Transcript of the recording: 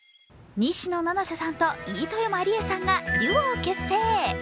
西野七瀬さんと飯豊まりえさんがデュオを結成。